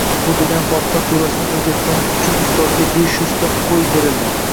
Bu degani Fotiha surasini o‘rgatgani uchun ustozga besh yuzta qo‘y berildi